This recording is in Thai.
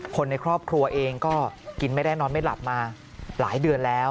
คนในครอบครัวเองก็กินไม่ได้นอนไม่หลับมาหลายเดือนแล้ว